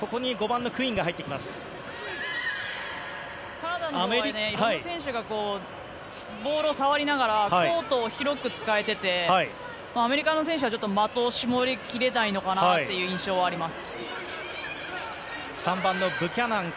カナダのほうはボールを触りながらコートを広く使えててアメリカの選手はちょっと的を絞り切れないのかなという印象はあります。